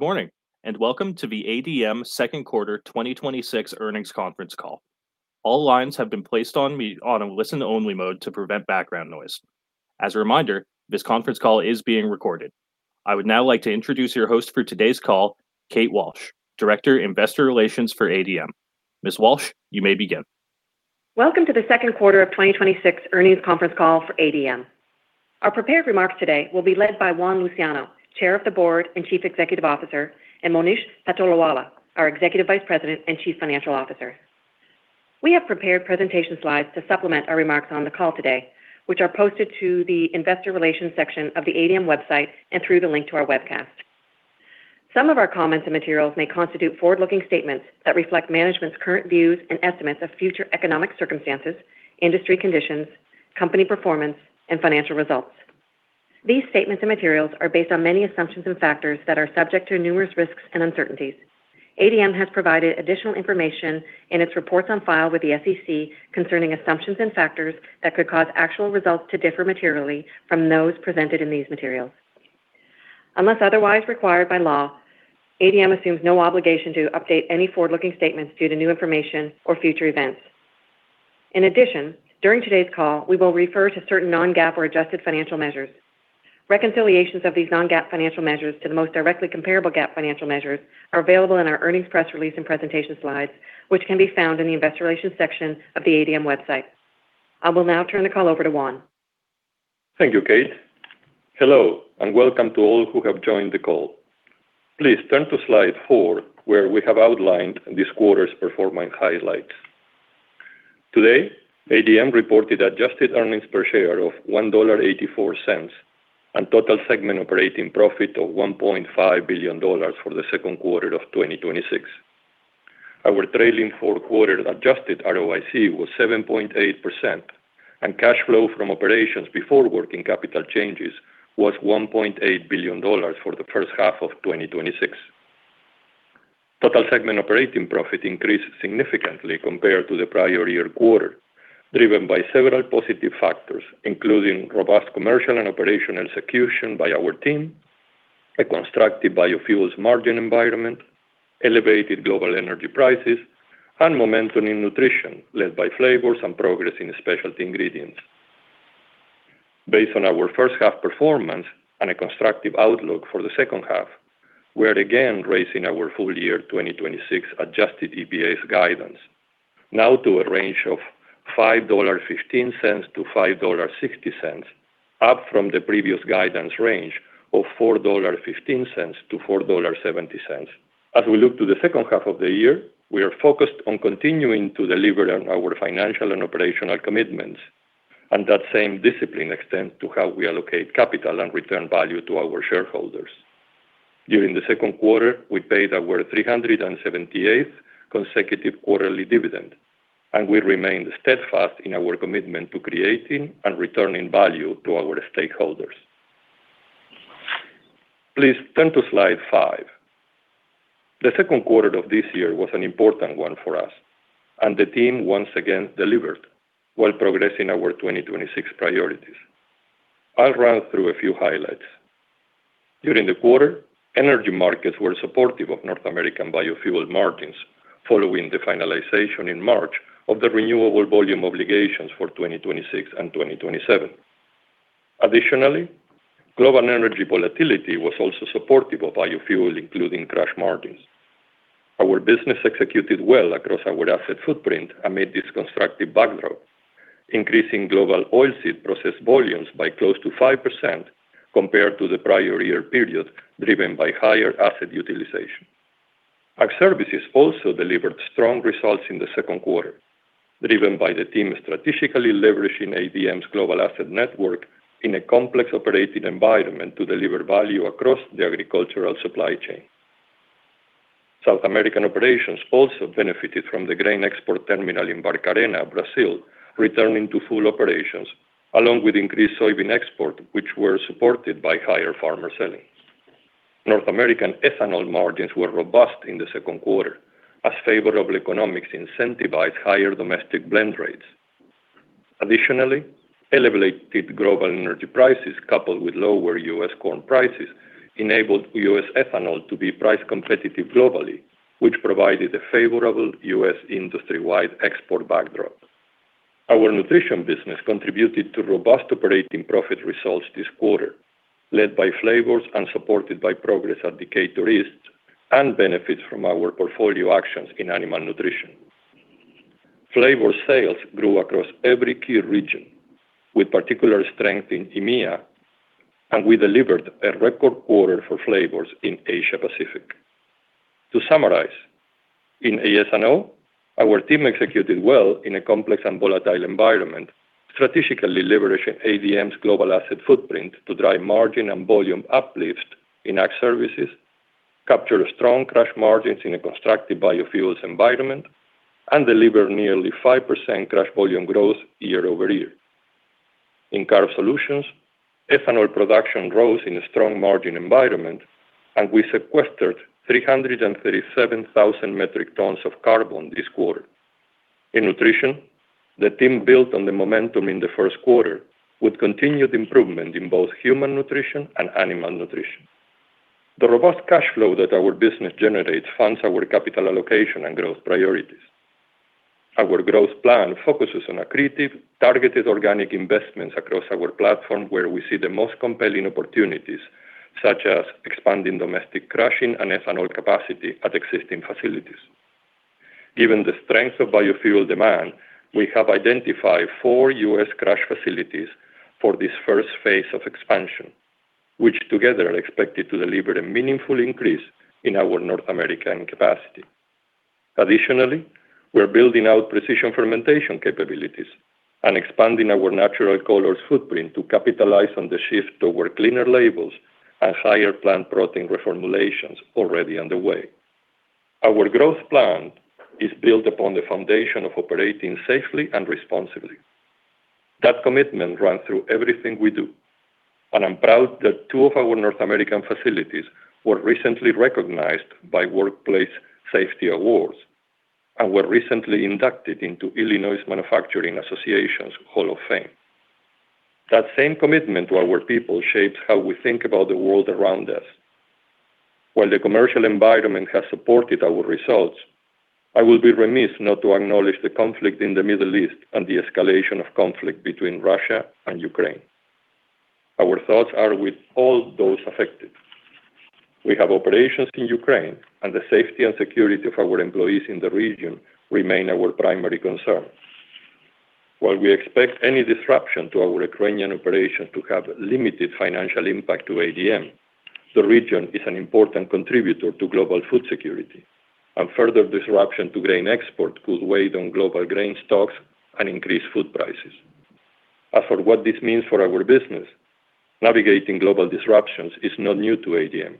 Good morning, and welcome to the ADM Second Quarter 2026 Earnings Conference Call. All lines have been placed on a listen-only mode to prevent background noise. As a reminder, this conference call is being recorded. I would now like to introduce your host for today's call, Kate Walsh, Director, Investor Relations for ADM. Ms. Walsh, you may begin. Welcome to the Second Quarter of 2026 Earnings Conference Call for ADM. Our prepared remarks today will be led by Juan Luciano, Chair of the Board and Chief Executive Officer, and Monish Patolawala, our Executive Vice President and Chief Financial Officer. We have prepared presentation slides to supplement our remarks on the call today, which are posted to the investor relations section of the ADM website and through the link to our webcast. Some of our comments and materials may constitute forward-looking statements that reflect management's current views and estimates of future economic circumstances, industry conditions, company performance, and financial results. These statements and materials are based on many assumptions and factors that are subject to numerous risks and uncertainties. ADM has provided additional information in its reports on file with the SEC concerning assumptions and factors that could cause actual results to differ materially from those presented in these materials. Unless otherwise required by law, ADM assumes no obligation to update any forward-looking statements due to new information or future events. During today's call, we will refer to certain non-GAAP or adjusted financial measures. Reconciliations of these non-GAAP financial measures to the most directly comparable GAAP financial measures are available in our earnings press release and presentation slides, which can be found in the investor relations section of the ADM website. I will now turn the call over to Juan. Thank you, Kate. Hello, and welcome to all who have joined the call. Please turn to slide four, where we have outlined this quarter's performance highlights. Today, ADM reported adjusted earnings per share of $1.84 and total segment operating profit of $1.5 billion for the second quarter of 2026. Our trailing four quarter adjusted ROIC was 7.8%, and cash flow from operations before working capital changes was $1.8 billion for the first half of 2026. Total segment operating profit increased significantly compared to the prior year quarter, driven by several positive factors, including robust commercial and operational execution by our team, a constructive biofuels margin environment, elevated global energy prices, and momentum in Nutrition led by flavors and progress in specialty ingredients. Based on our first half performance and a constructive outlook for the second half, we are again raising our full year 2026 adjusted EPS guidance, now to a range of $5.15-$5.60, up from the previous guidance range of $4.15-$4.70. That same discipline extends to how we allocate capital and return value to our shareholders. During the second quarter, we paid our 378th consecutive quarterly dividend. We remain steadfast in our commitment to creating and returning value to our stakeholders. Please turn to slide five. The second quarter of this year was an important one for us. The team once again delivered while progressing our 2026 priorities. I'll run through a few highlights. During the quarter, energy markets were supportive of North American biofuel margins following the finalization in March of the renewable volume obligations for 2026 and 2027. Additionally, global energy volatility was also supportive of biofuel, including crush margins. Our business executed well across our asset footprint amid this constructive backdrop, increasing global oilseed process volumes by close to 5% compared to the prior year period, driven by higher asset utilization. Our services also delivered strong results in the second quarter, driven by the team strategically leveraging ADM's global asset network in a complex operating environment to deliver value across the agricultural supply chain. South American operations also benefited from the grain export terminal in Barcarena, Brazil, returning to full operations along with increased soybean export, which were supported by higher farmer selling. North American ethanol margins were robust in the second quarter as favorable economics incentivized higher domestic blend rates. Additionally, elevated global energy prices coupled with lower U.S. corn prices enabled U.S. ethanol to be price competitive globally, which provided a favorable U.S. industry-wide export backdrop. Our Nutrition business contributed to robust operating profit results this quarter, led by flavors and supported by progress at Decatur East, and benefits from our portfolio actions in animal nutrition. Flavor sales grew across every key region, with particular strength in EMEA. We delivered a record quarter for flavors in Asia Pacific. To summarize, in AS&O, our team executed well in a complex and volatile environment, strategically leveraging ADM's global asset footprint to drive margin and volume uplift in Ag Services, capture strong crush margins in a constructive biofuels environment, and deliver nearly 5% crush volume growth year-over-year. In [Carbohydrate] Solutions, ethanol production rose in a strong margin environment. We sequestered 337,000 metric tons of carbon this quarter. In Nutrition, the team built on the momentum in the first quarter with continued improvement in both human nutrition and animal nutrition. The robust cash flow that our business generates funds our capital allocation and growth priorities. Our growth plan focuses on accretive, targeted organic investments across our platform where we see the most compelling opportunities, such as expanding domestic crushing and ethanol capacity at existing facilities. Given the strength of biofuel demand, we have identified four U.S. crush facilities for this first phase of expansion, which together are expected to deliver a meaningful increase in our North American capacity. Additionally, we're building out precision fermentation capabilities and expanding our natural colors footprint to capitalize on the shift toward cleaner labels and higher plant protein reformulations already underway. Our growth plan is built upon the foundation of operating safely and responsibly. That commitment runs through everything we do. I'm proud that two of our North American facilities were recently recognized by Workplace Safety Awards and were recently inducted into Illinois Manufacturers' Association's Hall of Fame. That same commitment to our people shapes how we think about the world around us. While the commercial environment has supported our results, I will be remiss not to acknowledge the conflict in the Middle East and the escalation of conflict between Russia and Ukraine. Our thoughts are with all those affected. We have operations in Ukraine. The safety and security of our employees in the region remain our primary concern. While we expect any disruption to our Ukrainian operation to have limited financial impact to ADM, the region is an important contributor to global food security. Further disruption to grain export could weigh on global grain stocks and increase food prices. As for what this means for our business, navigating global disruptions is not new to ADM.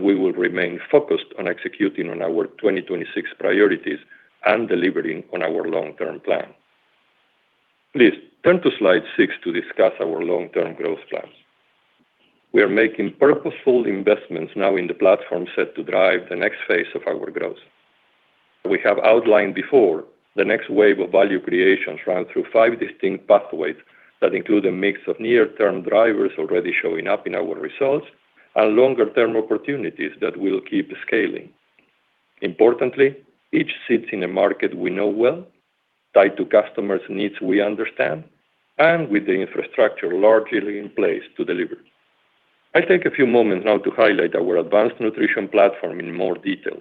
We will remain focused on executing on our 2026 priorities and delivering on our long-term plan. Please turn to slide six to discuss our long-term growth plans. We are making purposeful investments now in the platform set to drive the next phase of our growth. We have outlined before the next wave of value creations run through five distinct pathways that include a mix of near-term drivers already showing up in our results and longer-term opportunities that we will keep scaling. Importantly, each sits in a market we know well, tied to customers' needs we understand. With the infrastructure largely in place to deliver, I'll take a few moments now to highlight our advanced Nutrition platform in more detail,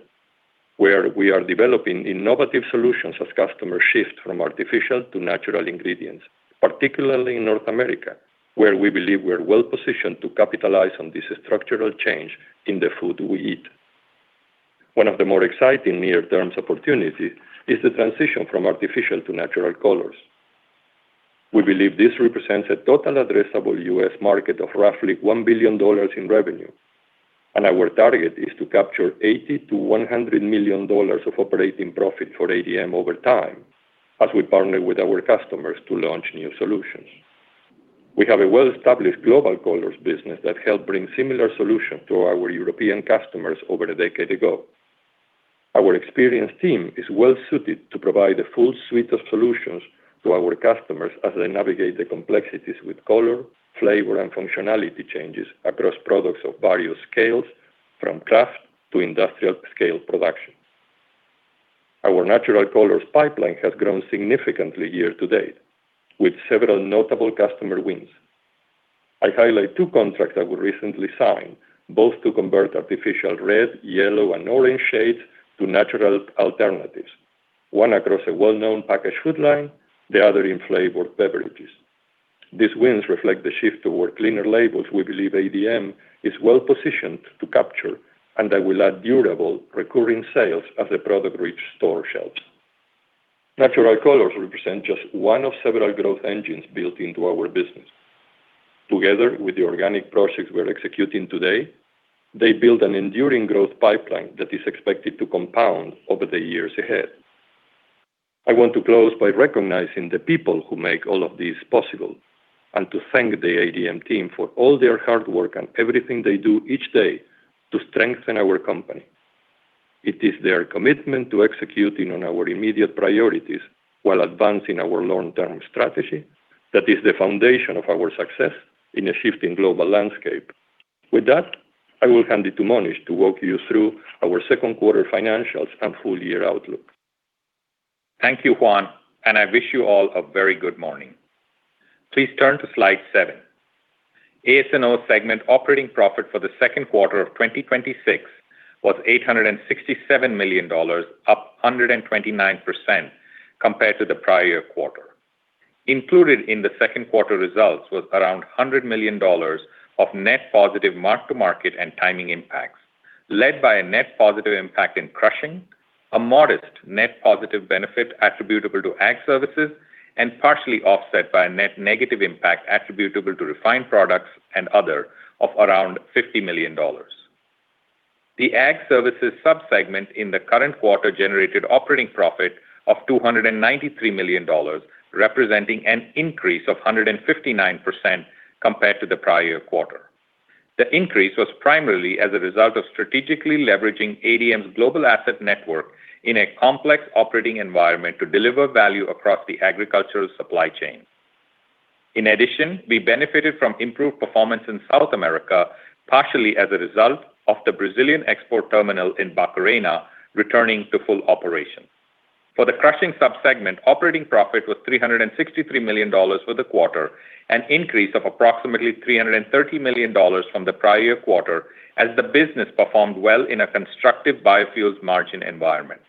where we are developing innovative solutions as customers shift from artificial to natural ingredients, particularly in North America, where we believe we're well-positioned to capitalize on this structural change in the food we eat. One of the more exciting near-term opportunities is the transition from artificial to natural colors. We believe this represents a total addressable U.S. market of roughly $1 billion in revenue. Our target is to capture $80 million-$100 million of operating profit for ADM over time as we partner with our customers to launch new solutions. We have a well-established global colors business that helped bring similar solutions to our European customers over a decade ago. Our experienced team is well-suited to provide a full suite of solutions to our customers as they navigate the complexities with color, flavor, and functionality changes across products of various scales, from craft to industrial-scale production. Our natural colors pipeline has grown significantly year to date, with several notable customer wins. I highlight two contracts that we recently signed, both to convert artificial red, yellow, and orange shades to natural alternatives. One across a well-known packaged food line, the other in flavored beverages. These wins reflect the shift toward cleaner labels we believe ADM is well-positioned to capture. That will add durable, recurring sales as the product reach store shelves. Natural colors represent just one of several growth engines built into our business. Together with the organic projects we're executing today, they build an enduring growth pipeline that is expected to compound over the years ahead. I want to close by recognizing the people who make all of this possible and to thank the ADM team for all their hard work and everything they do each day to strengthen our company. It is their commitment to executing on our immediate priorities while advancing our long-term strategy that is the foundation of our success in a shifting global landscape. With that, I will hand it to Monish to walk you through our second quarter financials and full-year outlook. Thank you, Juan. I wish you all a very good morning. Please turn to slide seven. AS&O segment operating profit for the second quarter of 2026 was $867 million, up 129% compared to the prior quarter. Included in the second quarter results was around $100 million of net positive mark-to-market and timing impacts, led by a net positive impact in crushing, a modest net positive benefit attributable to Ag Services, partially offset by a net negative impact attributable to refined products and other of around $50 million. The Ag Services sub-segment in the current quarter generated operating profit of $293 million, representing an increase of 159% compared to the prior quarter. The increase was primarily as a result of strategically leveraging ADM's global asset network in a complex operating environment to deliver value across the agricultural supply chain. In addition, we benefited from improved performance in South America, partially as a result of the Brazilian export terminal in Barcarena returning to full operation. For the crushing sub-segment, operating profit was $363 million for the quarter, an increase of approximately $330 million from the prior quarter as the business performed well in a constructive biofuels margin environment.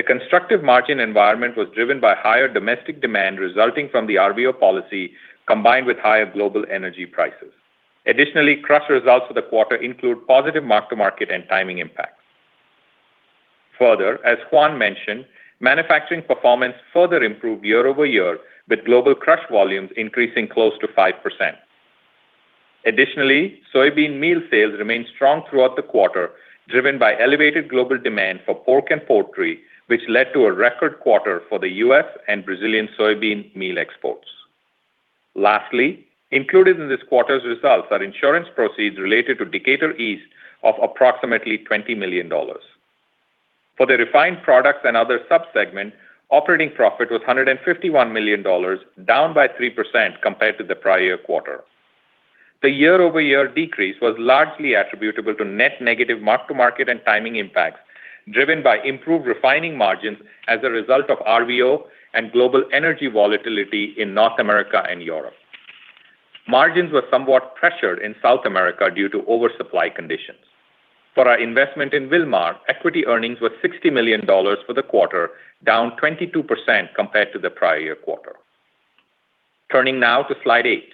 The constructive margin environment was driven by higher domestic demand resulting from the RVO policy, combined with higher global energy prices. Additionally, crush results for the quarter include positive mark-to-market and timing impacts. Further, as Juan mentioned, manufacturing performance further improved year-over-year, with global crush volumes increasing close to 5%. Additionally, soybean meal sales remained strong throughout the quarter, driven by elevated global demand for pork and poultry, which led to a record quarter for the U.S. and Brazilian soybean meal exports. Lastly, included in this quarter's results are insurance proceeds related to Decatur East of approximately $20 million. For the refined products and other sub-segment, operating profit was $151 million, down by 3% compared to the prior quarter. The year-over-year decrease was largely attributable to net negative mark-to-market and timing impacts driven by improved refining margins as a result of RVO and global energy volatility in North America and Europe. Margins were somewhat pressured in South America due to oversupply conditions. For our investment in Wilmar, equity earnings were $60 million for the quarter, down 22% compared to the prior quarter. Turning now to slide eight.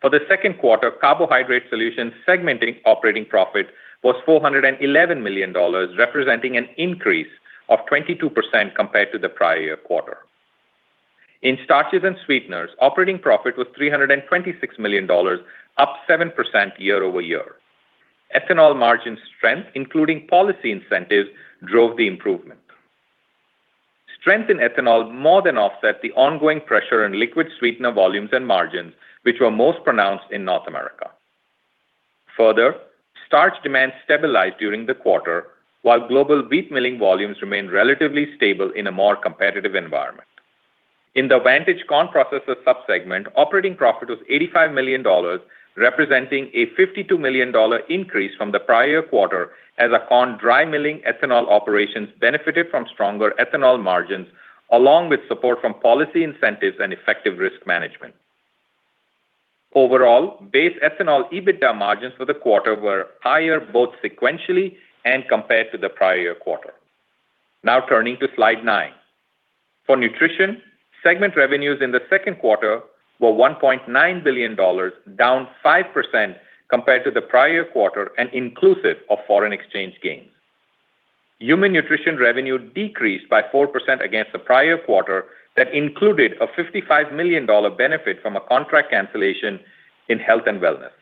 For the second quarter, Carbohydrate Solutions segment operating profit was $411 million, representing an increase of 22% compared to the prior quarter. In starches and sweeteners, operating profit was $326 million, up 7% year-over-year. Ethanol margin strength, including policy incentives, drove the improvement. Strength in ethanol more than offset the ongoing pressure in liquid sweetener volumes and margins, which were most pronounced in North America. Further, starch demand stabilized during the quarter, while global wheat milling volumes remained relatively stable in a more competitive environment. In the Vantage Corn Processors sub-segment, operating profit was $85 million, representing a $52 million increase from the prior quarter as our corn dry milling ethanol operations benefited from stronger ethanol margins, along with support from policy incentives and effective risk management. Overall, base ethanol EBITDA margins for the quarter were higher both sequentially and compared to the prior quarter. Now turning to slide nine. For Nutrition, segment revenues in the second quarter were $1.9 billion, down 5% compared to the prior quarter and inclusive of foreign exchange gains. Human Nutrition revenue decreased by 4% against the prior quarter that included a $55 million benefit from a contract cancellation in health and wellness.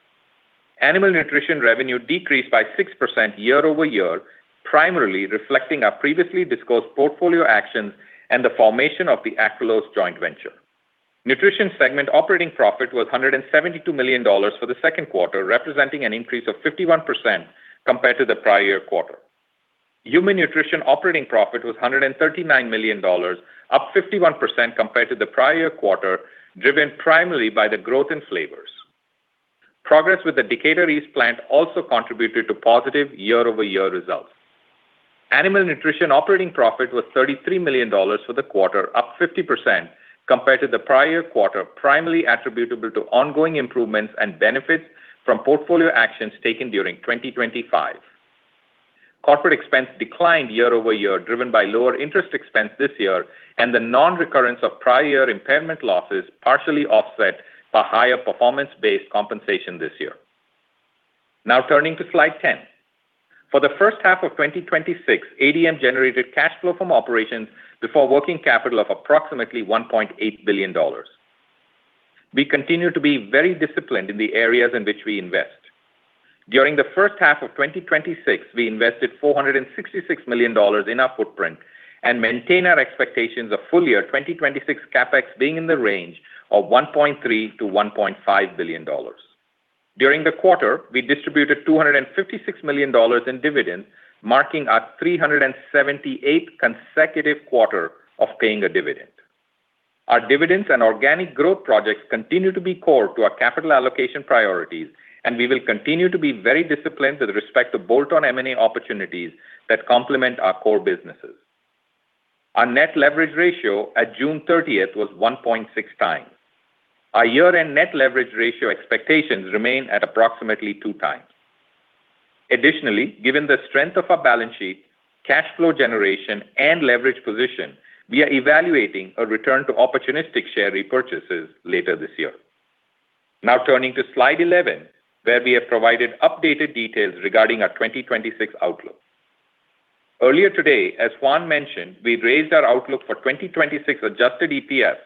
Animal Nutrition revenue decreased by 6% year-over-year, primarily reflecting our previously disclosed portfolio actions and the formation of the Akralos joint venture. Nutrition segment operating profit was $172 million for the second quarter, representing an increase of 51% compared to the prior quarter. Human Nutrition operating profit was $139 million, up 51% compared to the prior quarter, driven primarily by the growth in flavors. Progress with the Decatur East plant also contributed to positive year-over-year results. Animal Nutrition operating profit was $33 million for the quarter, up 50% compared to the prior quarter, primarily attributable to ongoing improvements and benefits from portfolio actions taken during 2025. Corporate expense declined year-over-year, driven by lower interest expense this year and the non-recurrence of prior impairment losses partially offset by higher performance-based compensation this year. Now turning to slide 10. For the first half of 2026, ADM generated cash flow from operations before working capital of approximately $1.8 billion. We continue to be very disciplined in the areas in which we invest. During the first half of 2026, we invested $466 million in our footprint and maintain our expectations of full-year 2026 CapEx being in the range of $1.3 billion-$1.5 billion. During the quarter, we distributed $256 million in dividends, marking our 378th consecutive quarter of paying a dividend. Our dividends and organic growth projects continue to be core to our capital allocation priorities, and we will continue to be very disciplined with respect to bolt-on M&A opportunities that complement our core businesses. Our net leverage ratio at June 30th was 1.6x. Our year-end net leverage ratio expectations remain at approximately 2x. Additionally, given the strength of our balance sheet, cash flow generation, and leverage position, we are evaluating a return to opportunistic share repurchases later this year. Now turning to slide 11, where we have provided updated details regarding our 2026 outlook. Earlier today, as Juan mentioned, we raised our outlook for 2026 adjusted EPS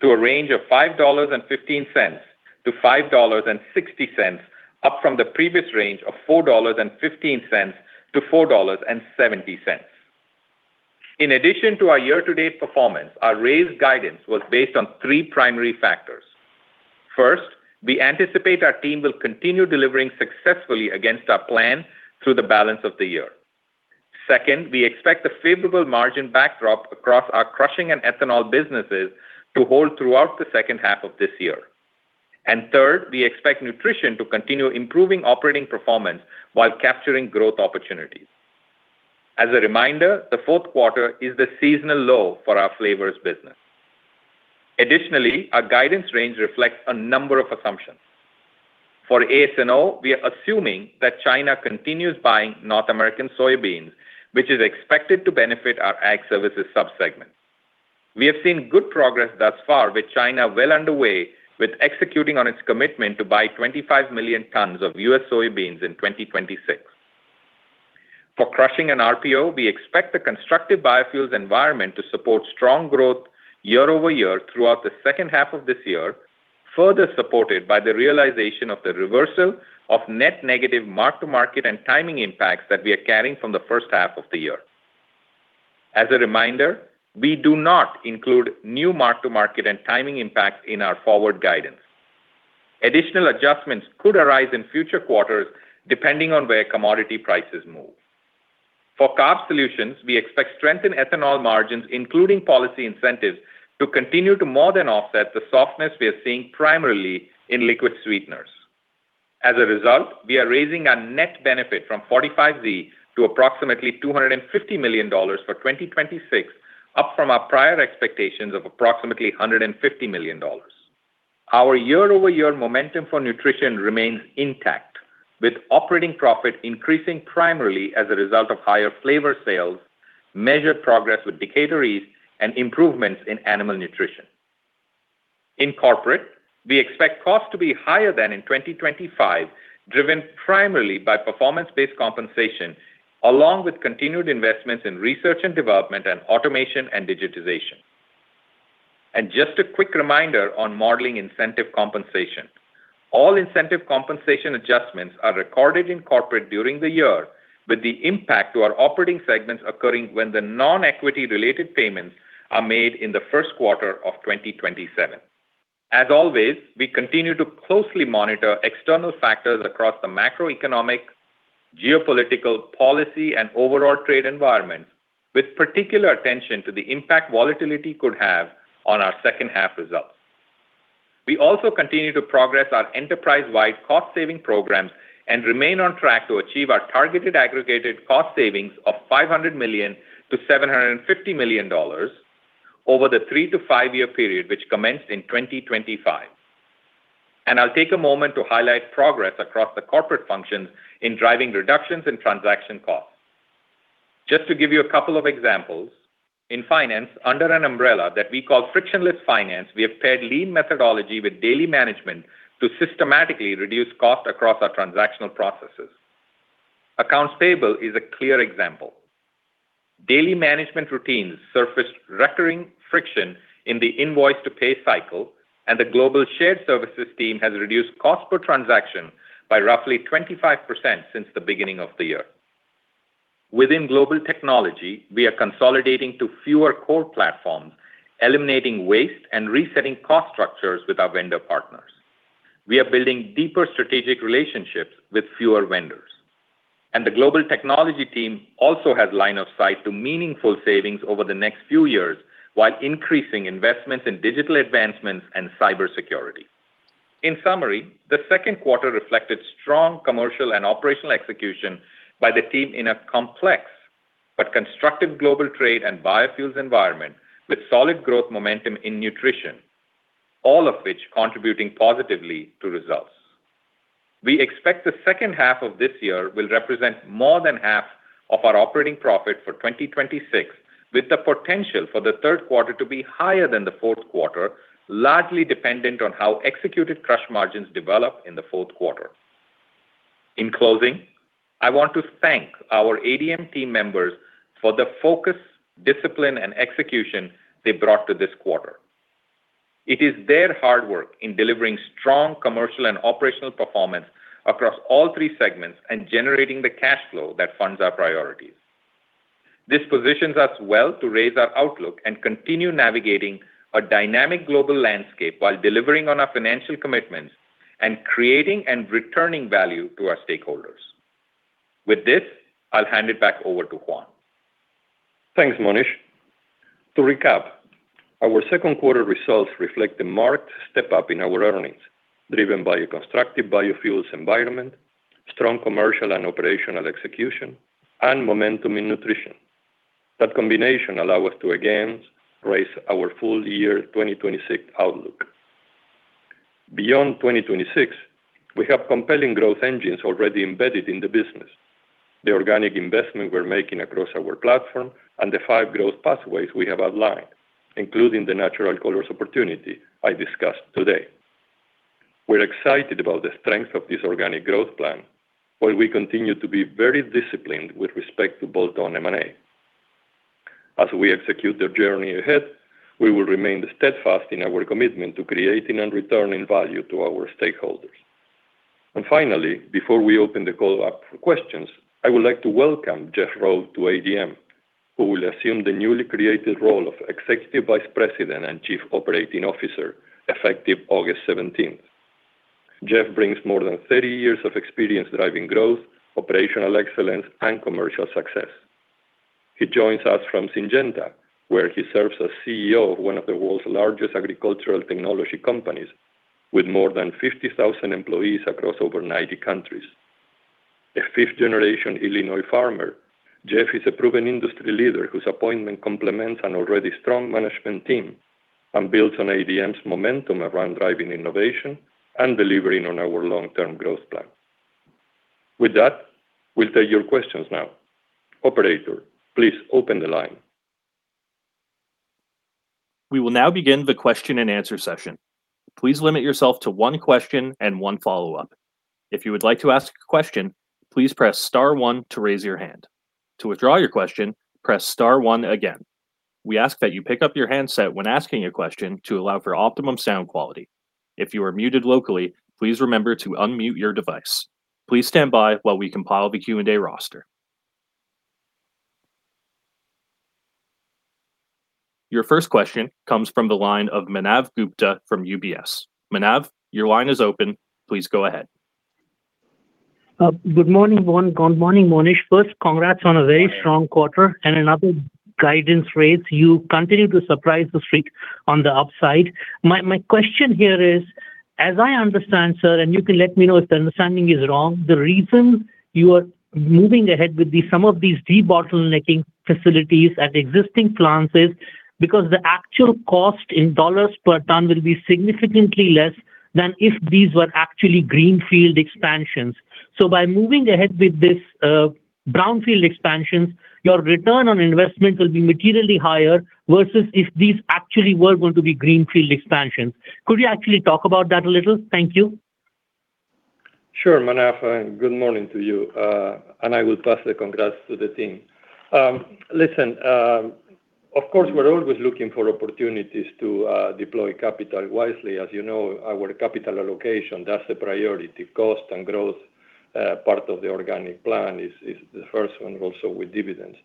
to a range of $5.15-$5.60, up from the previous range of $4.15-$4.70. In addition to our year-to-date performance, our raised guidance was based on three primary factors. First, we anticipate our team will continue delivering successfully against our plan through the balance of the year. Second, we expect the favorable margin backdrop across our crushing and ethanol businesses to hold throughout the second half of this year. Third, we expect Nutrition to continue improving operating performance while capturing growth opportunities. As a reminder, the fourth quarter is the seasonal low for our flavors business. Additionally, our guidance range reflects a number of assumptions. For AS&O, we are assuming that China continues buying North American soybeans, which is expected to benefit our Ag Services sub-segment. We have seen good progress thus far with China well underway with executing on its commitment to buy 25 million tons of U.S. soybeans in 2026. For crushing and RPO, we expect the constructive biofuels environment to support strong growth year-over-year throughout the second half of this year, further supported by the realization of the reversal of net negative mark-to-market and timing impacts that we are carrying from the first half of the year. As a reminder, we do not include new mark-to-market and timing impacts in our forward guidance. Additional adjustments could arise in future quarters depending on where commodity prices move. For Carb Solutions, we expect strengthened ethanol margins, including policy incentives, to continue to more than offset the softness we are seeing primarily in liquid sweeteners. As a result, we are raising our net benefit from 45Z to approximately $250 million for 2026, up from our prior expectations of approximately $150 million. Our year-over-year momentum for Nutrition remains intact, with operating profit increasing primarily as a result of higher flavor sales, measured progress with Decatur East, and improvements in animal nutrition. In corporate, we expect costs to be higher than in 2025, driven primarily by performance-based compensation, along with continued investments in research and development and automation and digitization. Just a quick reminder on modeling incentive compensation. All incentive compensation adjustments are recorded in corporate during the year, with the impact to our operating segments occurring when the non-equity related payments are made in the first quarter of 2027. As always, we continue to closely monitor external factors across the macroeconomic, geopolitical policy, and overall trade environment, with particular attention to the impact volatility could have on our second half results. We also continue to progress our enterprise-wide cost-saving programs and remain on track to achieve our targeted aggregated cost savings of $500 million-$750 million over the three to five-year period, which commenced in 2025. I'll take a moment to highlight progress across the corporate functions in driving reductions in transaction costs. Just to give you a couple of examples, in finance, under an umbrella that we call frictionless finance, we have paired lean methodology with daily management to systematically reduce cost across our transactional processes. Accounts payable is a clear example. Daily management routines surfaced recurring friction in the invoice to pay cycle, and the global shared services team has reduced cost per transaction by roughly 25% since the beginning of the year. Within global technology, we are consolidating to fewer core platforms, eliminating waste and resetting cost structures with our vendor partners. We are building deeper strategic relationships with fewer vendors. The global technology team also has line of sight to meaningful savings over the next few years, while increasing investments in digital advancements and cybersecurity. In summary, the second quarter reflected strong commercial and operational execution by the team in a complex but constructive global trade and biofuels environment, with solid growth momentum in Nutrition, all of which contributing positively to results. We expect the second half of this year will represent more than half of our operating profit for 2026, with the potential for the third quarter to be higher than the fourth quarter, largely dependent on how executed crush margins develop in the fourth quarter. In closing, I want to thank our ADM team members for the focus, discipline, and execution they brought to this quarter. It is their hard work in delivering strong commercial and operational performance across all three segments and generating the cash flow that funds our priorities. This positions us well to raise our outlook and continue navigating a dynamic global landscape while delivering on our financial commitments and creating and returning value to our stakeholders. With this, I'll hand it back over to Juan. Thanks, Monish. To recap, our second quarter results reflect a marked step-up in our earnings, driven by a constructive biofuels environment, strong commercial and operational execution, and momentum in Nutrition. That combination allow us to, again, raise our full year 2026 outlook. Beyond 2026, we have compelling growth engines already embedded in the business. The organic investment we're making across our platform and the five growth pathways we have outlined, including the natural colors opportunity I discussed today. We're excited about the strength of this organic growth plan, while we continue to be very disciplined with respect to bolt-on M&A. As we execute the journey ahead, we will remain steadfast in our commitment to creating and returning value to our stakeholders. Finally, before we open the call up for questions, I would like to welcome Jeff Rowe to ADM, who will assume the newly created role of Executive Vice President and Chief Operating Officer, effective August 17th. Jeff brings more than 30 years of experience driving growth, operational excellence, and commercial success. He joins us from Syngenta, where he serves as CEO of one of the world's largest agricultural technology companies, with more than 50,000 employees across over 90 countries. A fifth-generation Illinois farmer, Jeff is a proven industry leader whose appointment complements an already strong management team and builds on ADM's momentum around driving innovation and delivering on our long-term growth plan. With that, we'll take your questions now. Operator, please open the line. We will now begin the question and answer session. Your first question comes from the line of Manav Gupta from UBS. Manav, your line is open. Please go ahead. Good morning, Juan. Good morning, Monish. First, congrats on a very strong quarter and another guidance raise. You continue to surprise the street on the upside. My question here is, as I understand, sir, and you can let me know if the understanding is wrong, the reason you are moving ahead with some of these debottlenecking facilities at existing plants is because the actual cost in $ per ton will be significantly less than if these were actually greenfield expansions. So by moving ahead with these brownfield expansions, your return on investment will be materially higher versus if these actually were going to be greenfield expansions. Could you actually talk about that a little? Thank you. Sure, Manav, good morning to you. I will pass the congrats to the team. Listen, of course, we're always looking for opportunities to deploy capital wisely. As you know, our capital allocation, that's the priority. Cost and growth part of the organic plan is the first one, also with dividends.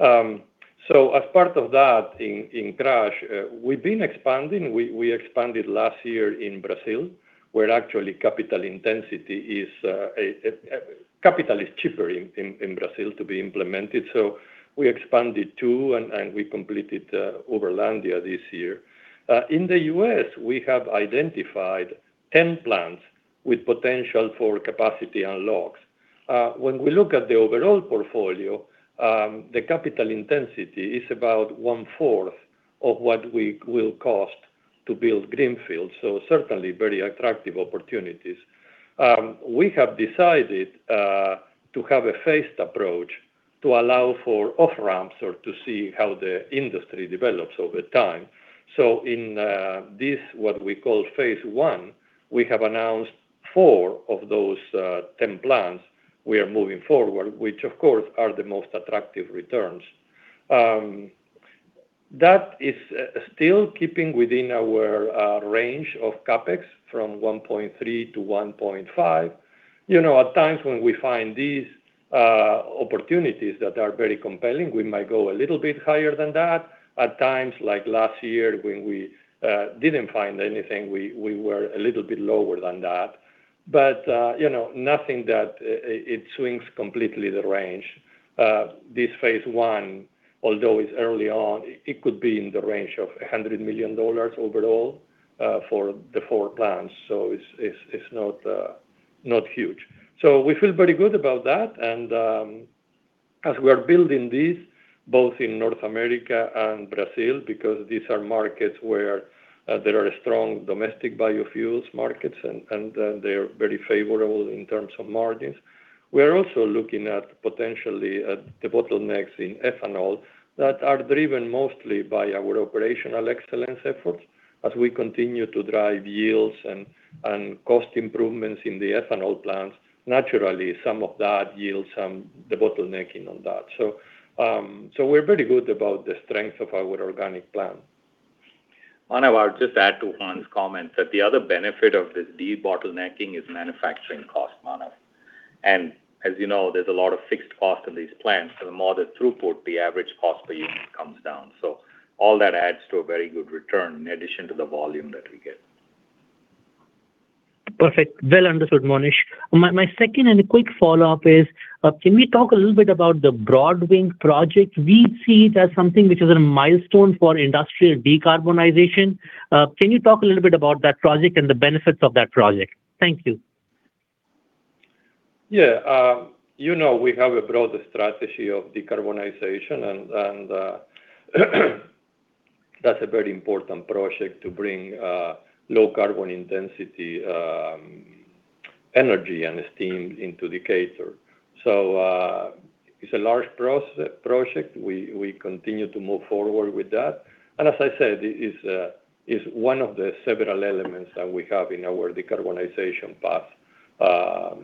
As part of that, in crush, we've been expanding. We expanded last year in Brazil, where actually capital is cheaper in Brazil to be implemented. We expanded 2, and we completed Uberlândia this year. In the U.S., we have identified 10 plants with potential for capacity unlocks. When we look at the overall portfolio, the capital intensity is about one-fourth of what will cost to build greenfield. Certainly, very attractive opportunities. We have decided to have a phased approach to allow for off-ramps or to see how the industry develops over time. In this, what we call phase I, we have announced four of those 10 plants we are moving forward, which of course, are the most attractive returns. That is still keeping within our range of CapEx from 1.3 - 1.5. At times when we find these opportunities that are very compelling, we might go a little bit higher than that. At times, like last year when we didn't find anything, we were a little bit lower than that. Nothing that it swings completely the range. This phase I, although it's early on, it could be in the range of $100 million overall for the four plants. It's not huge. We feel very good about that, and as we are building these, both in North America and Brazil, because these are markets where there are strong domestic biofuels markets, and they're very favorable in terms of margins. We are also looking at potentially at the bottlenecks in ethanol that are driven mostly by our operational excellence efforts. As we continue to drive yields and cost improvements in the ethanol plants, naturally, some of that yields the bottlenecking on that. We're very good about the strength of our organic plan. Manav, I'll just add to Juan's comment that the other benefit of this debottlenecking is manufacturing cost, Manav. As you know, there's a lot of fixed cost in these plants. The more the throughput, the average cost per unit comes down. All that adds to a very good return in addition to the volume that we get. Perfect. Well understood, Monish. My second and a quick follow-up is, can we talk a little bit about the Broadwing Energy project? We see it as something which is a milestone for industrial decarbonization. Can you talk a little bit about that project and the benefits of that project? Thank you. You know we have a broader strategy of decarbonization, and that's a very important project to bring low carbon intensity energy and steam into Decatur. It's a large project. We continue to move forward with that. As I said, it is one of the several elements that we have in our decarbonization path.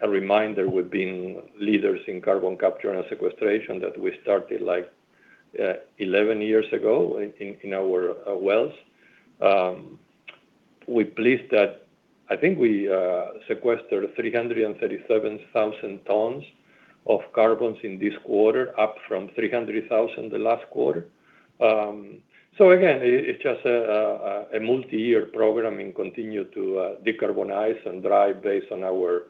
A reminder, we've been leaders in carbon capture and sequestration that we started 11 years ago in our wells. I think we sequestered 337,000 tons of carbons in this quarter, up from 300,000 the last quarter. Again, it's just a multi-year program and continue to decarbonize and drive based on our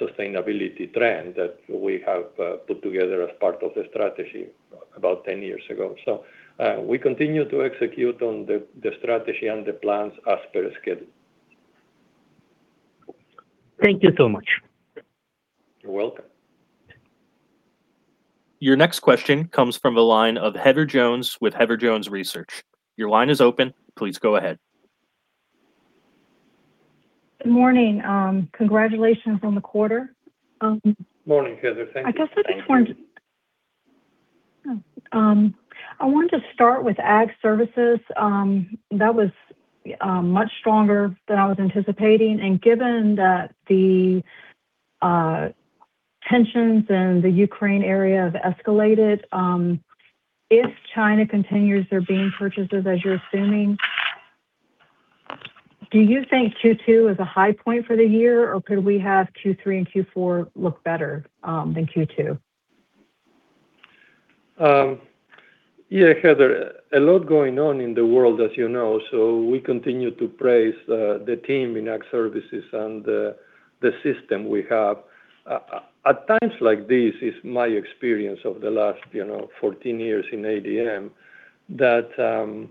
sustainability trend that we have put together as part of the strategy about 10 years ago. We continue to execute on the strategy and the plans as per schedule. Thank you so much. You're welcome. Your next question comes from the line of Heather Jones with Heather Jones Research. Good morning. Congratulations on the quarter. Morning, Heather. Thank you. I wanted to start with Ag Services. That was much stronger than I was anticipating. Given that the tensions in the Ukraine area have escalated, if China continues their bean purchases as you're assuming, do you think Q2 is a high point for the year, or could we have Q3 and Q4 look better than Q2? Yeah, Heather, a lot going on in the world, as you know. We continue to praise the team in Ag Services and the system we have. At times like this, it's my experience over the last 14 years in ADM, that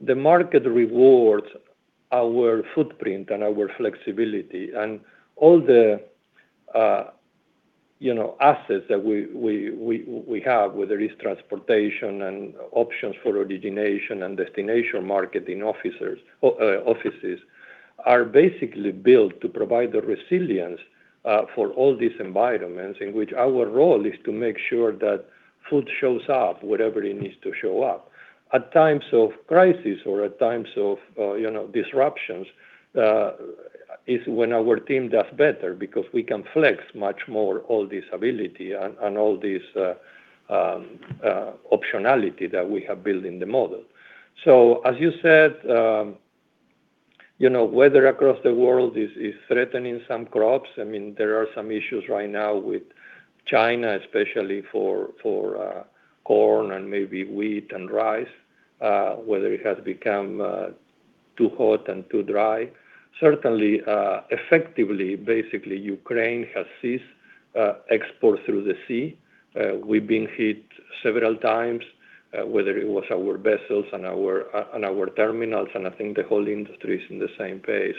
the market rewards our footprint and our flexibility. All the assets that we have, whether it's transportation and options for origination and destination marketing offices, are basically built to provide the resilience for all these environments, in which our role is to make sure that food shows up wherever it needs to show up. At times of crisis or at times of disruptions, is when our team does better because we can flex much more all this ability and all this optionality that we have built in the model. As you said, weather across the world is threatening some crops. There are some issues right now with China, especially for corn and maybe wheat and rice, whether it has become too hot and too dry. Certainly, effectively, basically Ukraine has ceased export through the sea. We've been hit several times, whether it was our vessels and our terminals, and I think the whole industry is in the same pace.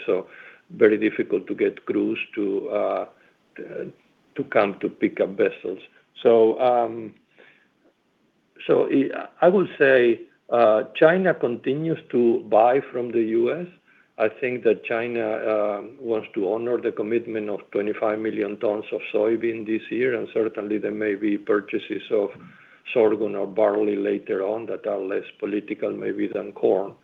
Very difficult to get crews to come to pick up vessels. I would say China continues to buy from the U.S. I think that China wants to honor the commitment of 25 million tons of soybean this year, and certainly there may be purchases of sorghum or barley later on that are less political maybe than corn.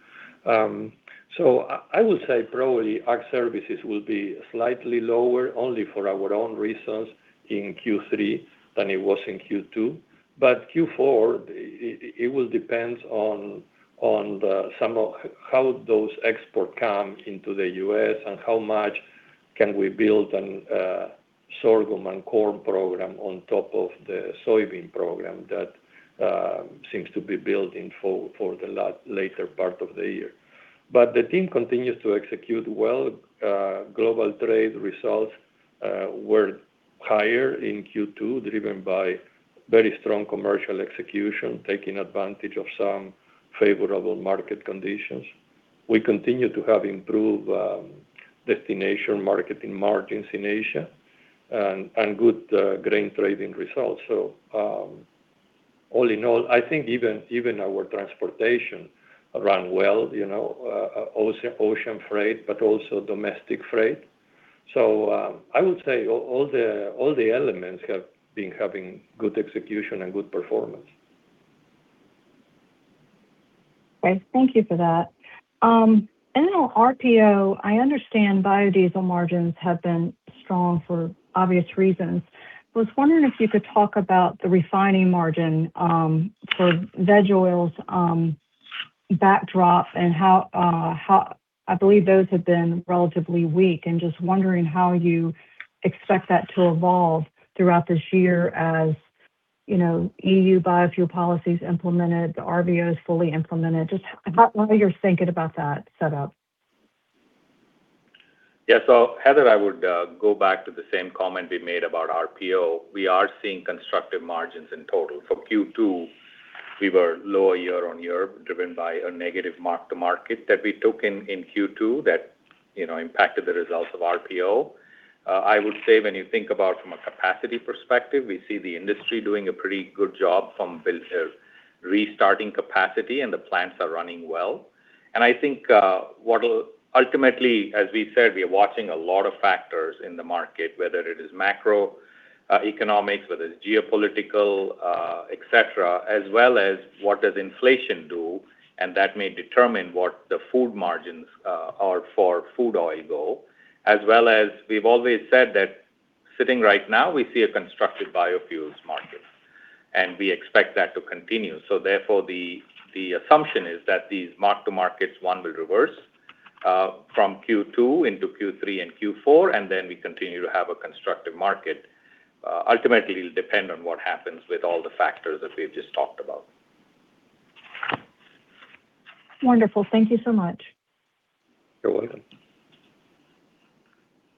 I would say probably Ag Services will be slightly lower, only for our own reasons, in Q3 than it was in Q2. Q4, it will depend on how those exports come into the U.S. and how much can we build on sorghum and corn program on top of the soybean program that seems to be building for the later part of the year. The team continues to execute well. Global trade results were higher in Q2, driven by very strong commercial execution, taking advantage of some favorable market conditions. We continue to have improved destination marketing margins in Asia and good grain trading results. All in all, I think even our transportation ran well, ocean freight, also domestic freight. I would say all the elements have been having good execution and good performance. Okay. Thank you for that. On RPO, I understand biodiesel margins have been strong for obvious reasons. I was wondering if you could talk about the refining margin for veg oils backdrop. I believe those have been relatively weak, and just wondering how you expect that to evolve throughout this year as EU biofuel policy is implemented, the RVO is fully implemented. How, what are you thinking about that further? Heather, I would go back to the same comment we made about RPO. We are seeing constructive margins in total. For Q2, we were lower year-on-year, driven by a negative mark-to-market that we took in Q2 that impacted the results of RPO. I would say when you think about from a capacity perspective, we see the industry doing a pretty good job from restarting capacity and the plants are running well. I think what ultimately, as we said, we are watching a lot of factors in the market, whether it is macroeconomics, whether it's geopolitical, et cetera, as well as what does inflation do. That may determine what the food margins are for food oil go, as well as we've always said that sitting right now, we see a constructive biofuels market. We expect that to continue. Therefore, the assumption is that these mark-to-markets, one will reverse, from Q2 into Q3 and Q4, we continue to have a constructive market. Ultimately, it will depend on what happens with all the factors that we've just talked about. Wonderful. Thank you so much. You're welcome.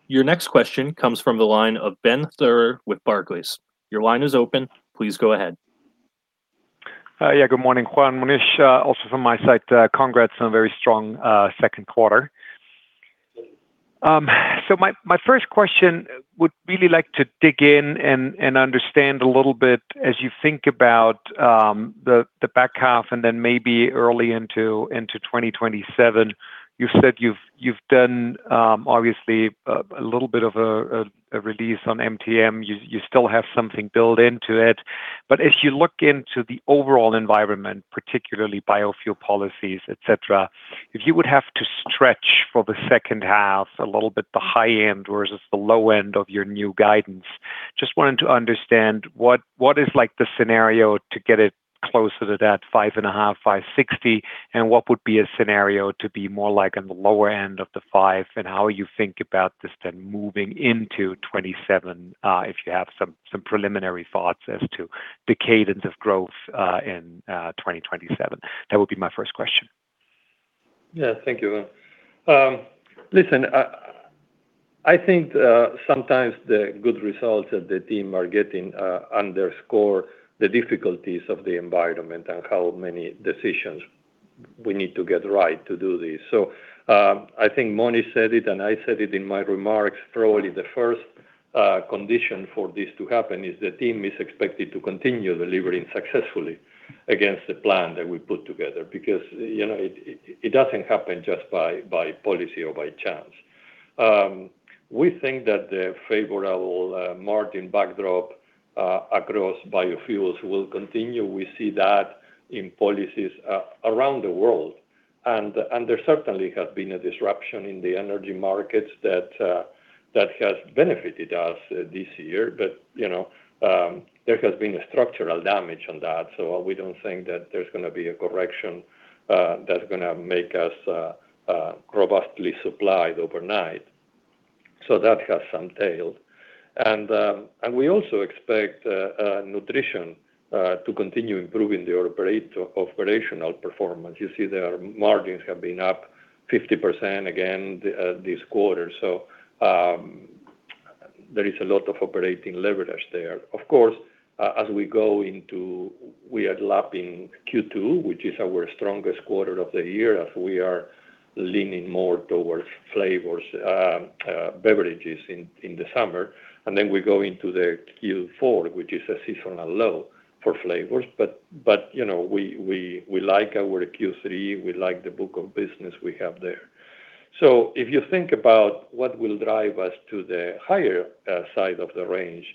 Your next question comes from the line of Ben Theurer with Barclays. Good morning, Juan, Monish. Also from my side, congrats on a very strong second quarter. My first question, would really like to dig in and understand a little bit as you think about the back half and then maybe early into 2027. You said you've done obviously a little bit of a release on MTM. You still have something built into it. As you look into the overall environment, particularly biofuel policies, et cetera, if you would have to stretch for the second half a little bit, the high end versus the low end of your new guidance, just wanted to understand what is the scenario to get it closer to that $5.50, $5.60, and what would be a scenario to be more on the lower end of the $5, and how you think about this moving into 2027, if you have some preliminary thoughts as to the cadence of growth in 2027? That would be my first question. Yeah. Thank you. Listen, I think sometimes the good results that the team are getting underscore the difficulties of the environment and how many decisions we need to get right to do this. I think Monish said it, and I said it in my remarks, probably the first condition for this to happen is the team is expected to continue delivering successfully against the plan that we put together, because it doesn't happen just by policy or by chance. We think that the favorable margin backdrop across biofuels will continue. We see that in policies around the world. There certainly has been a disruption in the energy markets that has benefited us this year. There has been a structural damage on that, so we don't think that there's going to be a correction that's going to make us robustly supplied overnight. That has some tail. We also expect Nutrition to continue improving the operational performance. You see their margins have been up 50% again this quarter. There is a lot of operating leverage there. Of course, we are lapping Q2, which is our strongest quarter of the year, as we are leaning more towards flavors, beverages in the summer. Then we go into the Q4, which is a seasonal low for flavors. We like our Q3, we like the book of business we have there. If you think about what will drive us to the higher side of the range,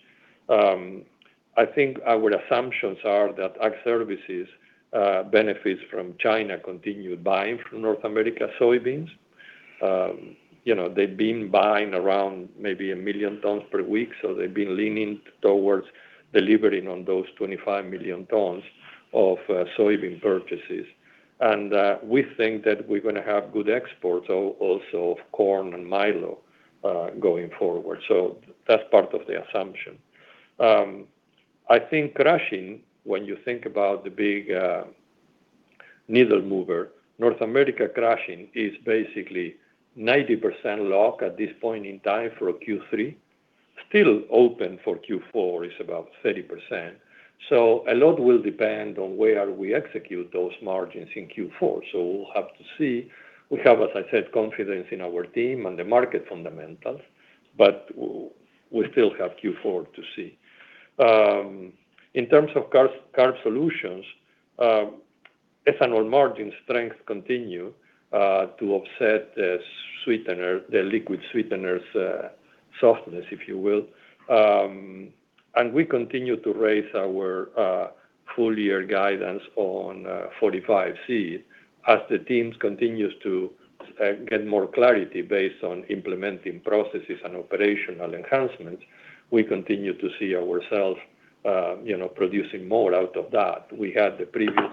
I think our assumptions are that Ag Services benefits from China continued buying from North America soybeans. They've been buying around maybe 1 million tons per week, so they've been leaning towards delivering on those 25 million tons of soybean purchases. We think that we're going to have good exports also of corn and milo going forward. That's part of the assumption. I think crushing, when you think about the big needle mover, North America crushing is basically 90% lock at this point in time for Q3, still open for Q4 is about 30%. A lot will depend on where we execute those margins in Q4. We'll have to see. We have, as I said, confidence in our team and the market fundamentals, but we still have Q4 to see. In terms of [Carb] Solutions, ethanol margin strength continue to offset the liquid sweetener's softness, if you will. We continue to raise our full-year guidance on 45Z as the teams continues to get more clarity based on implementing processes and operational enhancements. We continue to see ourselves producing more out of that. We had the previous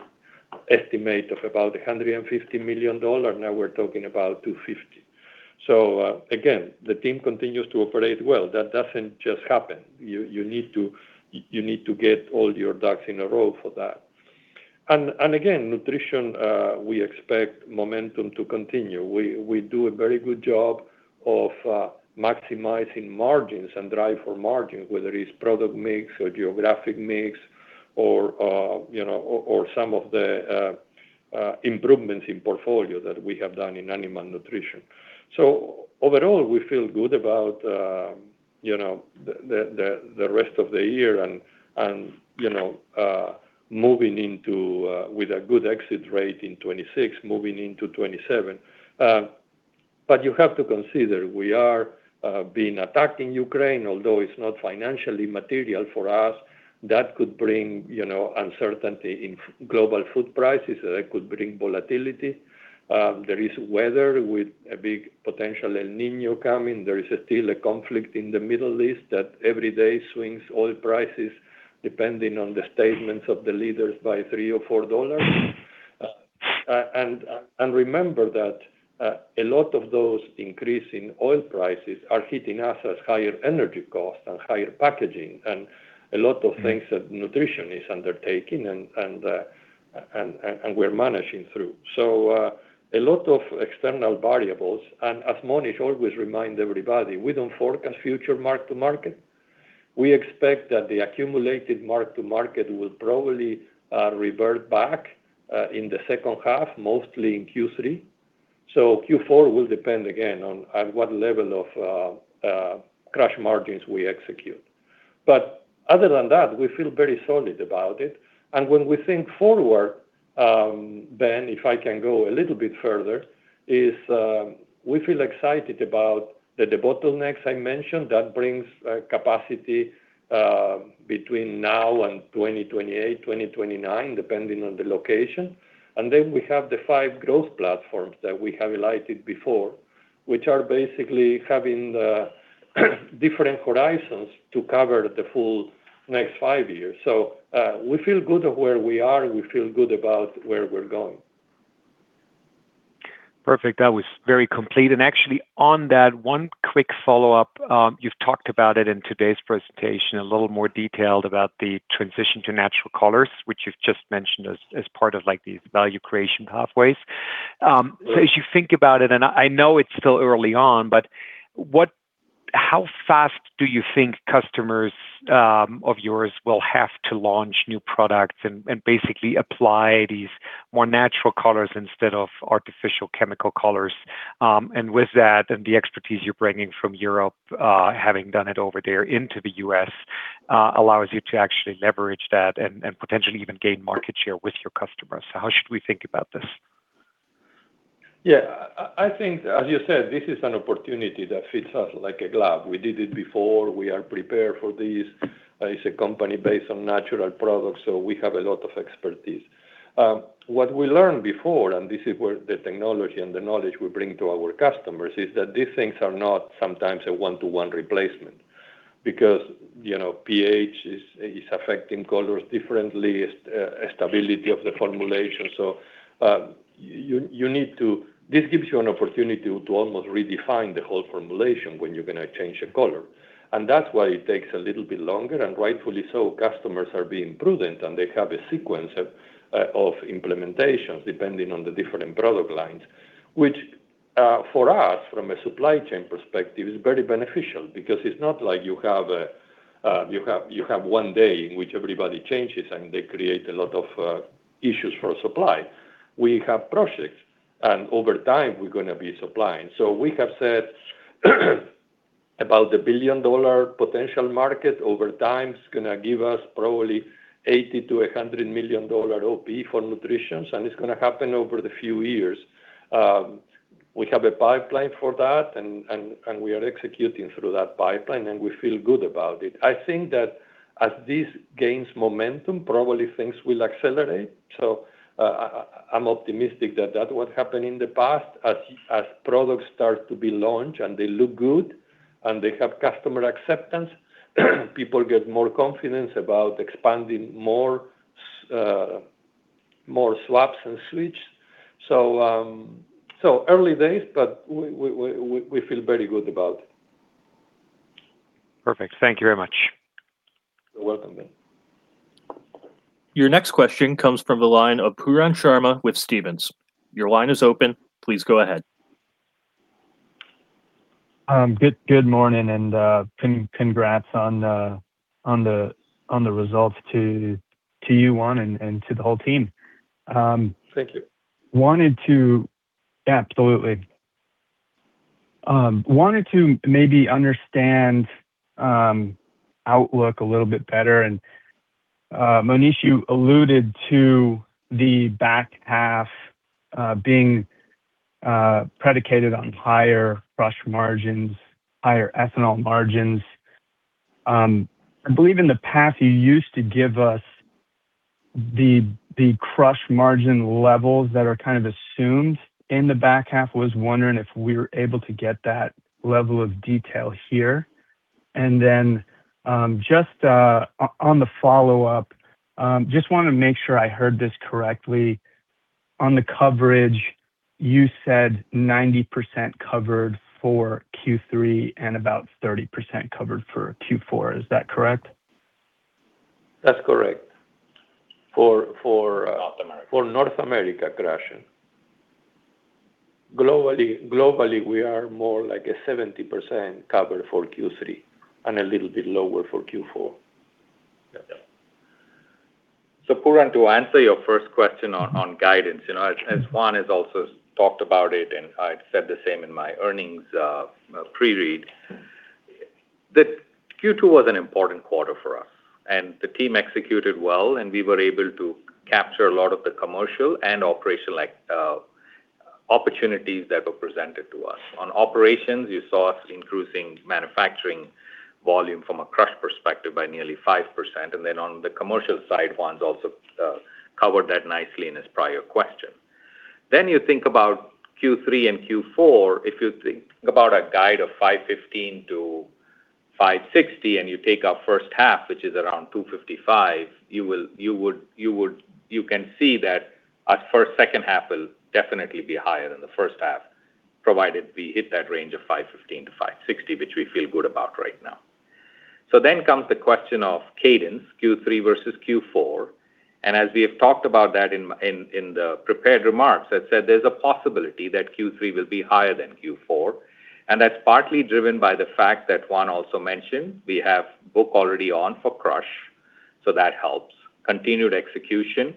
estimate of about $150 million. Now we are talking about $250 million. Again, the team continues to operate well. That does not just happen. You need to get all your ducks in a row for that. Again, Nutrition, we expect momentum to continue. We do a very good job of maximizing margins and drive for margins, whether it is product mix or geographic mix or some of the improvements in portfolio that we have done in animal Nutrition. Overall, we feel good about the rest of the year and moving into with a good exit rate in 2026, moving into 2027. You have to consider, we are being attacked in Ukraine, although it is not financially material for us, that could bring uncertainty in global food prices, that could bring volatility. There is weather with a big potential El Niño coming. There is still a conflict in the Middle East that every day swings oil prices depending on the statements of the leaders by $3 or $4. Remember that a lot of those increasing oil prices are hitting us as higher energy costs and higher packaging, and a lot of things that Nutrition is undertaking and we are managing through. A lot of external variables. As Monish always remind everybody, we do not forecast future mark-to-market. We expect that the accumulated mark-to-market will probably revert back in the second half, mostly in Q3. Q4 will depend, again, on what level of crush margins we execute. Other than that, we feel very solid about it. When we think forward, Ben, if I can go a little bit further, is we feel excited about the bottlenecks I mentioned that brings capacity between now and 2028, 2029, depending on the location. Then we have the five growth platforms that we have highlighted before, which are basically having the different horizons to cover the full next five years. We feel good of where we are, we feel good about where we are going. Perfect. That was very complete. Actually on that, one quick follow-up. You have talked about it in today's presentation, a little more detailed about the transition to natural colors, which you have just mentioned as part of these value creation pathways. As you think about it, and I know it is still early on, but how fast do you think customers of yours will have to launch new products and basically apply these more natural colors instead of artificial chemical colors? With that and the expertise you are bringing from Europe, having done it over there into the U.S., allows you to actually leverage that and potentially even gain market share with your customers. How should we think about this? Yeah. I think, as you said, this is an opportunity that fits us like a glove. We did it before. We are prepared for this. It's a company based on natural products, so we have a lot of expertise. What we learned before, and this is where the technology and the knowledge we bring to our customers, is that these things are not sometimes a one-to-one replacement because pH is affecting colors differently, stability of the formulation. This gives you an opportunity to almost redefine the whole formulation when you're going to change a color. That's why it takes a little bit longer, and rightfully so. Customers are being prudent, they have a sequence of implementations depending on the different product lines, which, for us, from a supply chain perspective, is very beneficial because it's not like you have one day in which everybody changes, they create a lot of issues for supply. We have projects, over time, we're going to be supplying. We have said about the billion-dollar potential market over time is going to give us probably $80 million-$100 million OP for Nutrition, it's going to happen over the few years. We have a pipeline for that, we are executing through that pipeline, we feel good about it. I think that as this gains momentum, probably things will accelerate. I'm optimistic that that would happen in the past. As products start to be launched they look good they have customer acceptance, people get more confidence about expanding more swaps and switch. Early days, we feel very good about it. Perfect. Thank you very much. You're welcome, Ben. Your next question comes from the line of Pooran Sharma with Stephens. Your line is open. Please go ahead. Good morning, and congrats on the results to you, Juan, and to the whole team. Thank you. Wanted to maybe understand outlook a little bit better. Monish, you alluded to the back half being predicated on higher crush margins, higher ethanol margins. I believe in the past you used to give us the crush margin levels that are assumed in the back half. Was wondering if we were able to get that level of detail here. Just on the follow-up, just want to make sure I heard this correctly. On the coverage, you said 90% covered for Q3 and about 30% covered for Q4. Is that correct? That's correct. North America for North America crushing. Globally, we are more like a 70% covered for Q3, and a little bit lower for Q4. Pooran, to answer your first question on guidance, as Juan has also talked about it, and I said the same in my earnings pre-read. Q2 was an important quarter for us, and the team executed well, and we were able to capture a lot of the commercial and operational opportunities that were presented to us. On operations, you saw us increasing manufacturing volume from a crush perspective by nearly 5%. On the commercial side, Juan also covered that nicely in his prior question. You think about Q3 and Q4, if you think about a guide of $515-$560, and you take our first half, which is around $255, you can see that our second half will definitely be higher than the first half, provided we hit that range of $515-$560, which we feel good about right now. Comes the question of cadence, Q3 versus Q4. As we have talked about that in the prepared remarks, there's a possibility that Q3 will be higher than Q4, and that's partly driven by the fact that Juan also mentioned we have book already on for crush, so that helps. Continued execution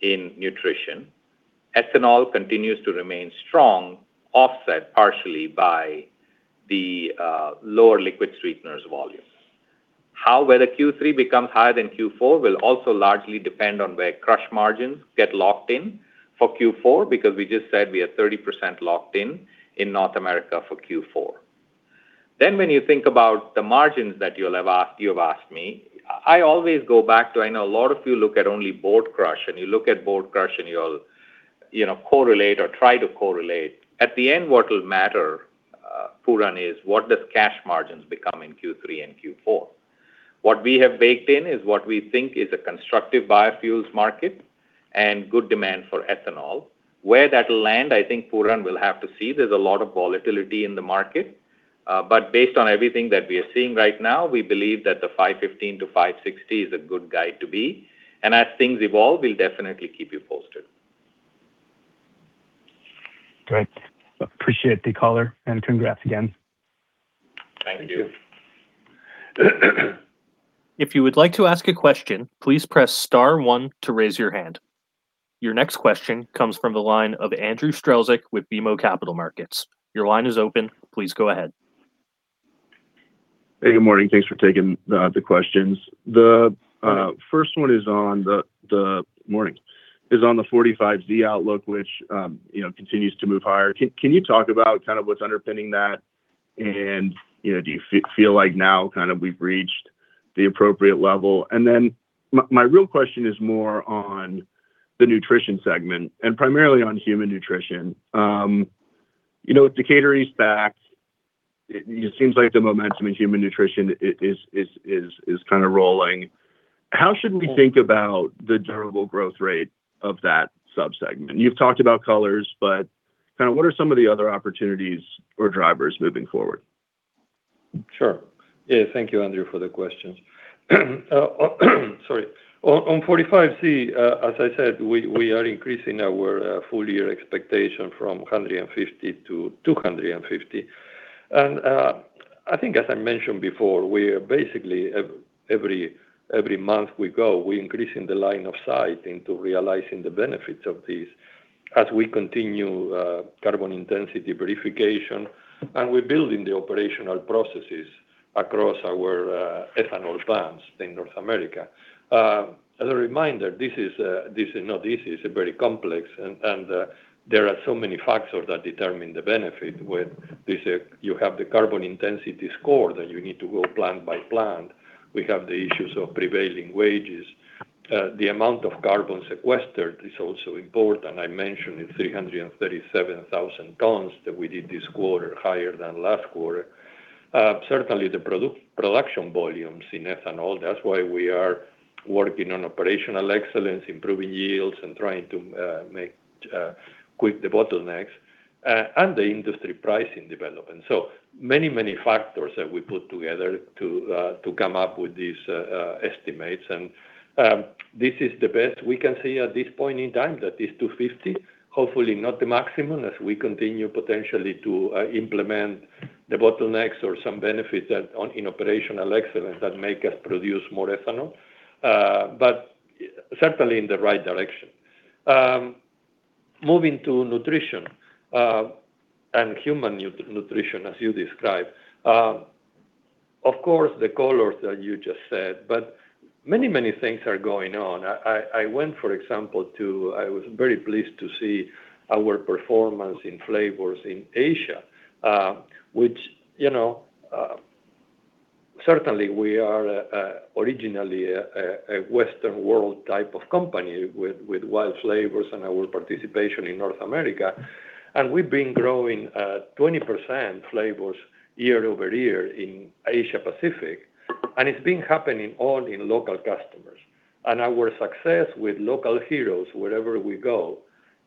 in Nutrition. Ethanol continues to remain strong, offset partially by the lower liquid sweeteners volume. How well the Q3 becomes higher than Q4 will also largely depend on where crush margins get locked in for Q4, because we just said we are 30% locked in in North America for Q4. When you think about the margins that you've asked me, I always go back to, I know a lot of you look at only board crush, and you look at board crush and you'll correlate or try to correlate. At the end, what will matter, Pooran, is what does cash margins become in Q3 and Q4? What we have baked in is what we think is a constructive biofuels market and good demand for ethanol. Where that'll land, I think Pooran will have to see. There's a lot of volatility in the market. Based on everything that we are seeing right now, we believe that the $515-$560 is a good guide to be. As things evolve, we'll definitely keep you posted. Great. Appreciate the color and congrats again. Thank you. Your next question comes from the line of Andrew Strelzik with BMO Capital Markets. Hey, good morning. Thanks for taking the questions. Good morning. The first one is on the, morning, on the 45Z outlook, which continues to move higher. Can you talk about what's underpinning that? Do you feel like now we've reached the appropriate level? My real question is more on the Nutrition segment and primarily on human nutrition. With Decatur East back, it seems like the momentum in human nutrition is rolling. How should we think about the durable growth rate of that sub-segment? You've talked about colors, what are some of the other opportunities or drivers moving forward? Sure. Thank you, Andrew, for the questions. Sorry. On 45Z, as I said, we are increasing our full-year expectation from $150 - $250. I think as I mentioned before, basically every month we go, we're increasing the line of sight into realizing the benefits of this as we continue carbon intensity verification, and we're building the operational processes across our ethanol plants in North America. As a reminder, this is very complex, and there are so many factors that determine the benefit. You have the carbon intensity score, you need to go plant by plant. We have the issues of prevailing wages. The amount of carbon sequestered is also important. I mentioned it's 337,000 tons that we did this quarter, higher than last quarter. Certainly the production volumes in ethanol. That's why we are working on operational excellence, improving yields, and trying to make quick the bottlenecks, the industry pricing development. Many, many factors that we put together to come up with these estimates. This is the best we can see at this point in time, that is $250. Hopefully not the maximum as we continue potentially to implement the bottlenecks or some benefits in operational excellence that make us produce more ethanol. Certainly in the right direction. Moving to Nutrition, and human nutrition, as you described. Of course, the colors that you just said, many, many things are going on. I went, for example, I was very pleased to see our performance in flavors in Asia. Which certainly we are originally a Western world type of company with WILD Flavors and our participation in North America. We've been growing at 20% flavors year-over-year in Asia Pacific, and it's been happening all in local customers. Our success with local heroes wherever we go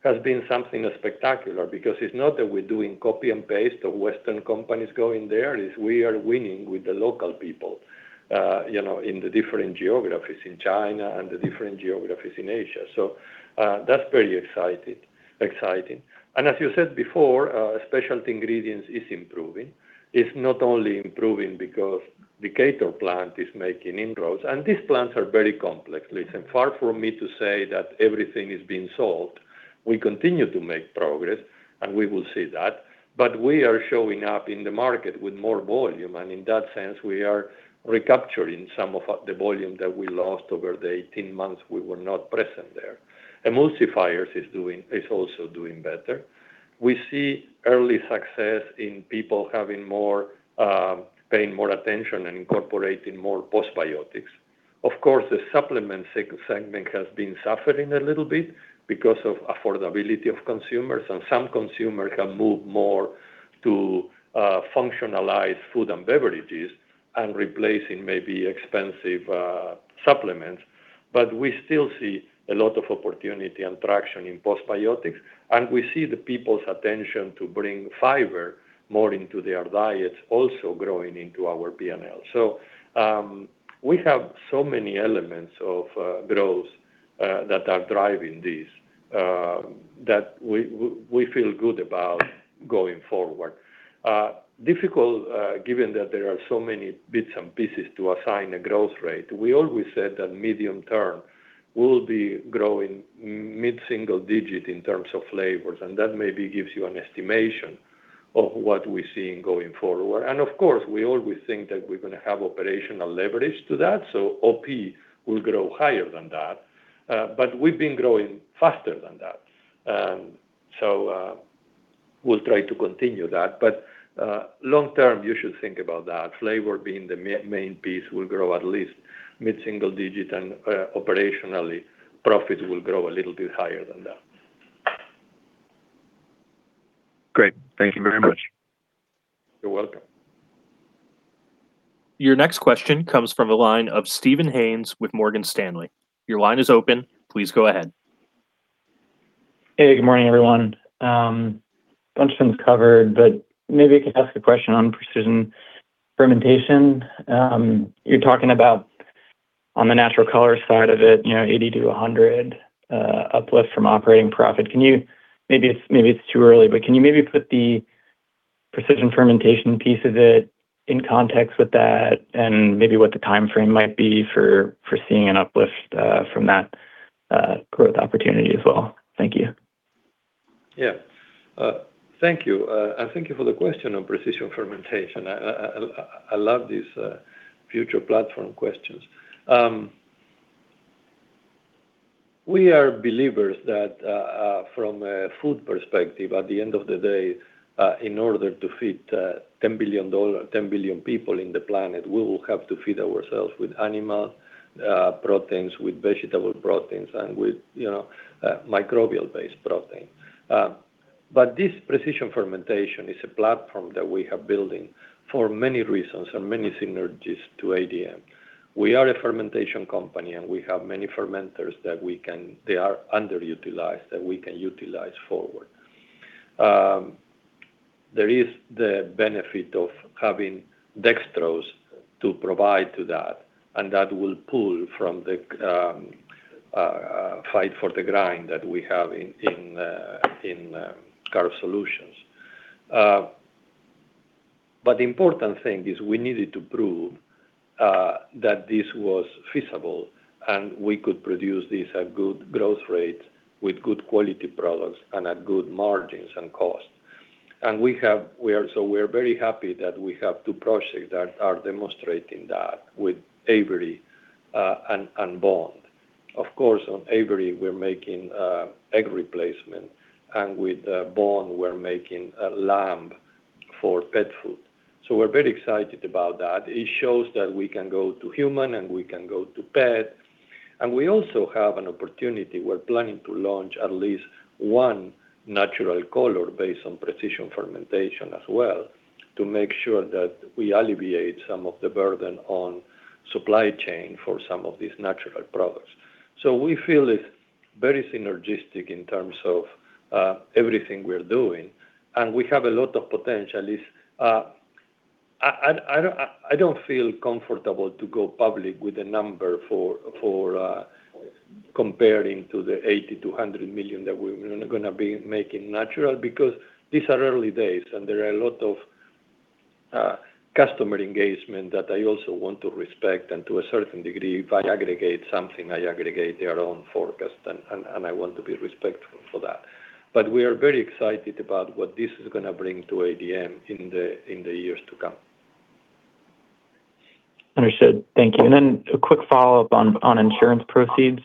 has been something spectacular because it's not that we're doing copy and paste of Western companies going there. It's we are winning with the local people in the different geographies in China and the different geographies in Asia. That's very exciting. As you said before, specialty ingredients is improving. It's not only improving because the Decatur plant is making inroads, these plants are very complex, listen. Far from me to say that everything is being solved We continue to make progress, and we will see that, but we are showing up in the market with more volume. In that sense, we are recapturing some of the volume that we lost over the 18 months we were not present there. Emulsifiers is also doing better. We see early success in people paying more attention and incorporating more postbiotics. Of course, the supplement segment has been suffering a little bit because of affordability of consumers, and some consumers have moved more to functionalized food and beverages and replacing maybe expensive supplements. We still see a lot of opportunity and traction in postbiotics, and we see the people's attention to bring fiber more into their diets also growing into our P&L. We have so many elements of growth that are driving this that we feel good about going forward. Difficult, given that there are so many bits and pieces to assign a growth rate. We always said that medium term will be growing mid-single digit in terms of flavors, and that maybe gives you an estimation of what we're seeing going forward. Of course, we always think that we're going to have operational leverage to that, so OP will grow higher than that. We've been growing faster than that. We'll try to continue that. Long term, you should think about that, flavor being the main piece will grow at least mid-single digit, and operationally, profit will grow a little bit higher than that. Great. Thank you very much. You're welcome. Your next question comes from the line of Steven Haynes with Morgan Stanley. Your line is open. Please go ahead. Hey, good morning, everyone. A bunch of things covered, but maybe I could ask a question on precision fermentation. You're talking about on the natural colors side of it, $80-$100 uplift from operating profit. Maybe it's too early, but can you maybe put the precision fermentation piece of it in context with that and maybe what the timeframe might be for seeing an uplift from that growth opportunity as well? Thank you. Thank you. Thank you for the question on precision fermentation. I love these future platform questions. We are believers that from a food perspective, at the end of the day, in order to feed 10 billion people in the planet, we will have to feed ourselves with animal proteins, with vegetable proteins, and with microbial-based protein. This precision fermentation is a platform that we are building for many reasons and many synergies to ADM. We are a fermentation company, and we have many fermenters, they are underutilized, that we can utilize forward. There is the benefit of having dextrose to provide to that, and that will pull from the fight for the grind that we have in carb solutions. The important thing is we needed to prove that this was feasible and we could produce this at good growth rates with good quality products and at good margins and cost. We're very happy that we have two projects that are demonstrating that with EVERY and Bond. Of course, on EVERY, we're making egg replacement, and with Bond, we're making lamb for pet food. We're very excited about that. It shows that we can go to human and we can go to pet. We also have an opportunity, we're planning to launch at least one natural color based on precision fermentation as well to make sure that we alleviate some of the burden on supply chain for some of these natural products. We feel it's very synergistic in terms of everything we're doing, and we have a lot of potential. I don't feel comfortable to go public with a number for comparing to the $80 million-$100 million that we're going to be making natural because these are early days, and there are a lot of customer engagement that I also want to respect, and to a certain degree, if I aggregate something, I aggregate their own forecast, and I want to be respectful for that. We are very excited about what this is going to bring to ADM in the years to come. Understood. Thank you. A quick follow-up on insurance proceeds.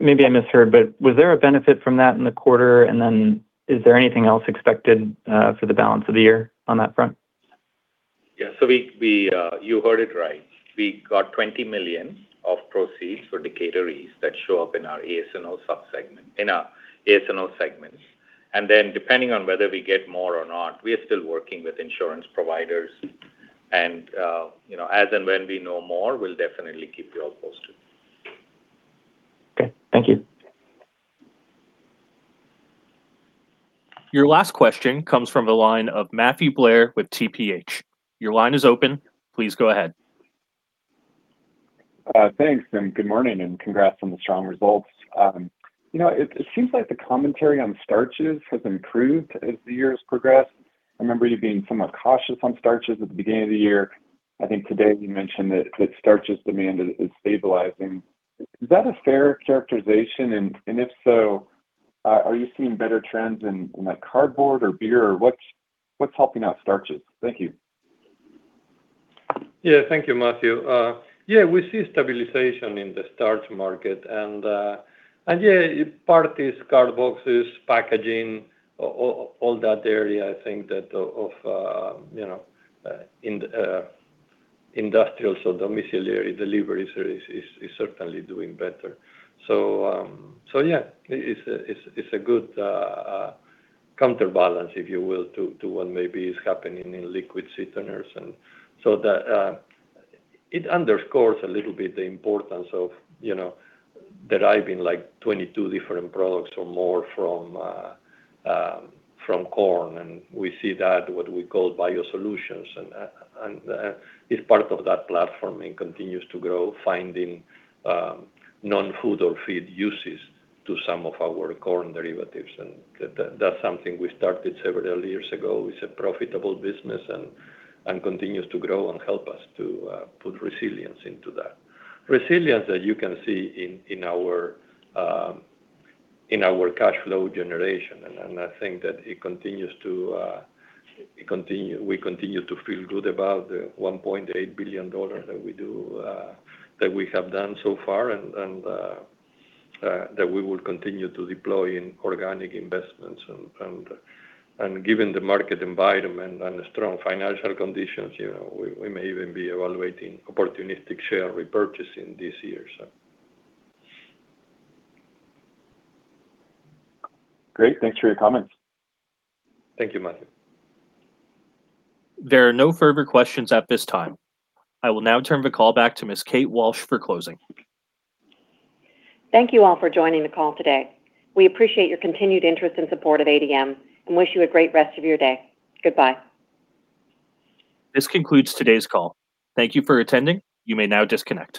Maybe I misheard, but was there a benefit from that in the quarter? Is there anything else expected for the balance of the year on that front? Yeah. You heard it right. We got $20 million of proceeds for Decatur East that show up in our AS&O segments. Depending on whether we get more or not, we are still working with insurance providers. As and when we know more, we'll definitely keep you all posted. Okay. Thank you. Your last question comes from the line of Matthew Blair with TPH. Thanks. Good morning, and congrats on the strong results. It seems like the commentary on starches has improved as the year has progressed. I remember you being somewhat cautious on starches at the beginning of the year. I think today you mentioned that starch's demand is stabilizing. Is that a fair characterization? If so, are you seeing better trends in cardboard or beer? What's helping out starches? Thank you. Thank you, Matthew. We see stabilization in the starch market and part is card boxes, packaging, all that area. I think that of industrial, so domiciliary deliveries is certainly doing better. It's a good counterbalance, if you will, to what maybe is happening in liquid sweeteners. It underscores a little bit the importance of deriving 22 different products or more from corn. We see that, what we call BioSolutions, and it's part of that platform and continues to grow, finding non-food or feed uses to some of our corn derivatives. That's something we started several years ago. It's a profitable business and continues to grow and help us to put resilience into that. Resilience that you can see in our cash flow generation. I think that we continue to feel good about the $1.8 billion that we have done so far and that we will continue to deploy in organic investments. Given the market environment and the strong financial conditions, we may even be evaluating opportunistic share repurchasing this year. Great. Thanks for your comments. Thank you, Matthew. There are no further questions at this time. I will now turn the call back to Ms. Kate Walsh for closing. Thank you all for joining the call today. We appreciate your continued interest and support of ADM and wish you a great rest of your day. Goodbye. This concludes today's call. Thank you for attending. You may now disconnect.